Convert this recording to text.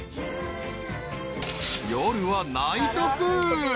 ［夜はナイトプール］